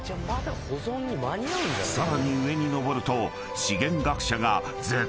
［さらに上に上ると］